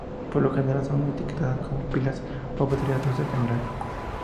Por lo general, son etiquetadas como pilas o baterías de uso general.